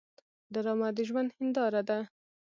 ډرامه د ژوند هنداره ده